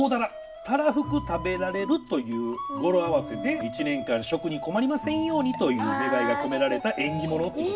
たらふく食べられるという語呂合わせで一年間食に困りませんようにという願いが込められた縁起物ってことですね。